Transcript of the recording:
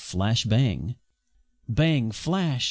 Flash! bang! Bang! flash!